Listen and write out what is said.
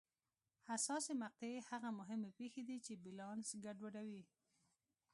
حساسې مقطعې هغه مهمې پېښې دي چې بیلانس ګډوډوي.